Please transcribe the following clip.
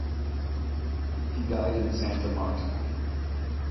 He died in Santa Marta.